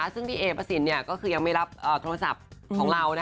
ซึ่งพี่เอประสินก็คือยังไม่รับโทรศัพท์ของเรา